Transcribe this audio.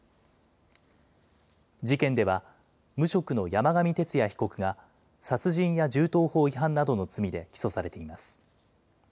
事件では、無職の山上徹也被告が、殺人や銃刀法違反などの罪で起訴されています。